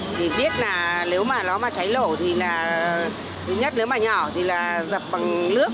thì biết là nếu mà nó mà cháy lổ thì là thứ nhất nếu mà nhỏ thì là dập bằng nước